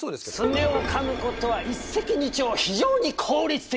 爪をかむことは一石二鳥非常に効率的なんじゃ！